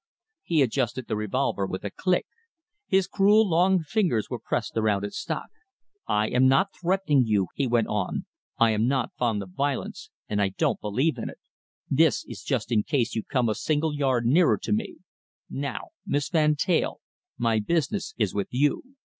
He adjusted the revolver with a click. His cruel, long fingers were pressed around its stock. "I am not threatening you," he went on. "I am not fond of violence, and I don't believe in it. This is just in case you come a single yard nearer to me. Now, Miss Van Teyl, my business is with you.